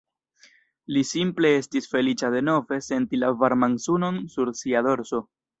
Li simple estis feliĉa denove senti la varman sunon sur sia dorso.